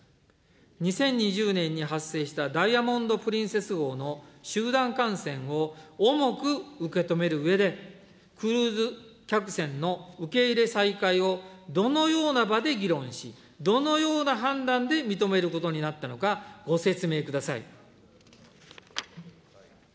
２０２０年に発生したダイヤモンド・プリンセス号の集団感染を重く受け止めるうえで、クルーズ客船の受け入れ再開をどのような場で議論し、どのような判断で認めることになったのか、ご説明ください。